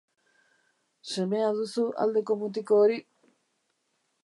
Semea duzu aldeko mutiko hori?